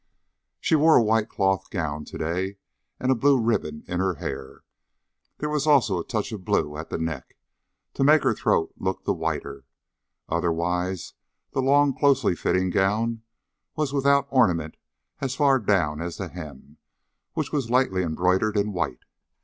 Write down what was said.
She wore a white cloth gown today and a blue ribbon in her hair. There was also a touch of blue at the neck, to make her throat look the whiter. Otherwise, the long closely fitting gown was without ornament as far down as the hem, which was lightly embroidered in white.